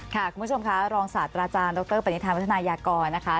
คุณผู้ชมค่ะรองศาสตร์อาจารย์ดรบรรณิธานวัฒนายากร